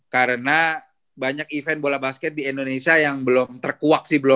karena banyak event bola basket di indonesia yang belum terkuak sih